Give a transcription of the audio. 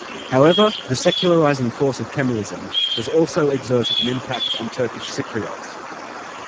However, the secularizing force of Kemalism has also exerted an impact on Turkish Cypriots.